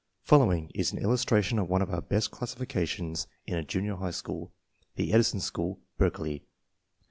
Following is an illustration of one of our best classifications in a junior high school (the Edison School, Berkeley).